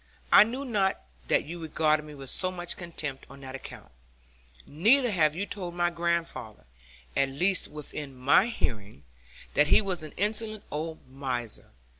I knew not that you regarded me with so much contempt on that account; neither have you told my grandfather, at least within my hearing, that he was an insolent old miser.